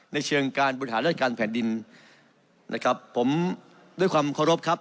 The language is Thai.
ในเชิงการบริหารราชการแผ่นดินนะครับผมด้วยความเคารพครับ